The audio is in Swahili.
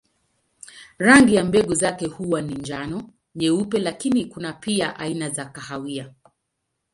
Rangi ya mbegu zake huwa ni njano, nyeupe lakini kuna pia aina za kahawia.